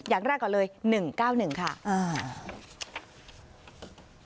อย่างแรกก่อนเลยหนึ่งเก้าหนึ่งค่ะอ่า